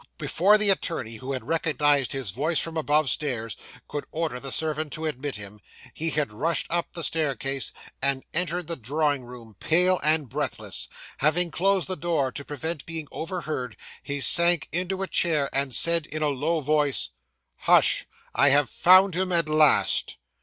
Before the attorney, who had recognised his voice from above stairs, could order the servant to admit him, he had rushed up the staircase, and entered the drawing room pale and breathless. Having closed the door, to prevent being overheard, he sank into a chair, and said, in a low voice '"Hush! I have found him at last."